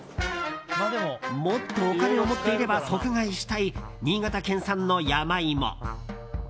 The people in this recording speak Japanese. もっとお金を持っていれば即買いしたい新潟県産のヤマイモ。